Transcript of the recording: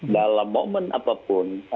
dalam momen apapun